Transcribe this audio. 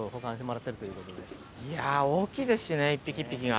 いや大きいですしね一匹一匹が。